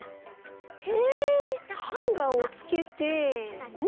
へえハンガーをつけて。